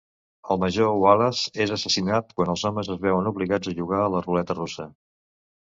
El major Wallace és assassinat quan els homes es veuen obligats a jugar a la ruleta russa.